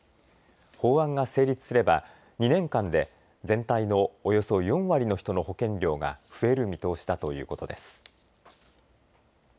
法案が成立すれば２年間で全体のおよそ４割の人の保険料が増える見通しだということです。